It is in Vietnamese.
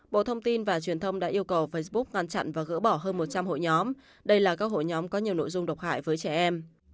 bộ thông tin và truyền thông đã yêu cầu facebook ngăn chặn và gỡ bỏ hơn một trăm linh hội nhóm đây là các hội nhóm có nhiều nội dung độc hại với trẻ em